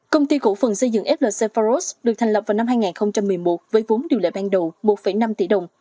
công ty cổ phần xây dựng flc faros được thành lập vào năm hai nghìn một mươi một với vốn điều lệ ban đầu một năm tỷ đồng